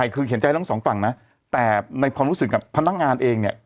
คือเห็นใจทั้งสองฝั่งนะแต่ในความรู้สึกกับพนักงานเองเนี่ย